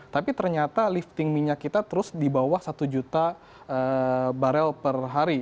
tapi ternyata lifting minyak kita terus di bawah satu juta barel per hari